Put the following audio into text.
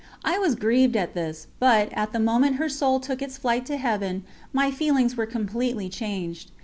I was grieved at this, but, at the moment her soul took its flight to Heaven, my feelings were completely changed.